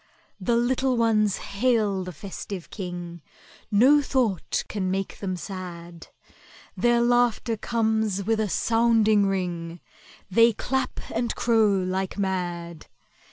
The little ones hail the festive King,— No thought can make them sad. Their laughter comes with a sounding ring, They clap and crow like mad!